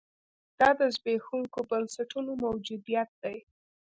دا د زبېښونکو بنسټونو موجودیت دی.